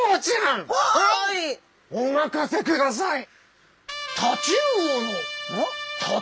お任せください！